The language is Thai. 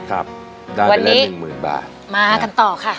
ครับวันนี้มากันต่อค่ะ